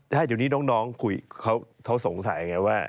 ใช่อยู่นี้น้องคุยเขาสงสัยว่า